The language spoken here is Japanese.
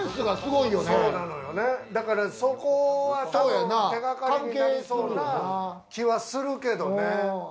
そこは手掛かりになりそうな気はするけどね。